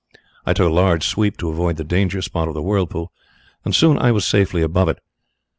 I took a large sweep to avoid the danger spot of the whirlpool, and soon I was safely above it.